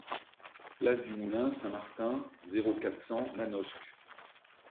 Place du Moulin Saint-Martin, zéro quatre, cent Manosque